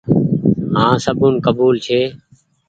هآن سبون ڪبول ڇي۔